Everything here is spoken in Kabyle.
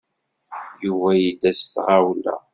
Yuba yedda s tɣawla.